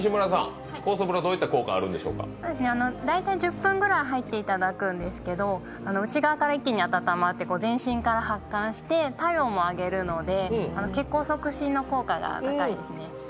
大体１０分ぐらい入っていただくんですけど内側から一気に温まって全身が一気に発汗して体温も上げるので、血行促進の効果が高いですね。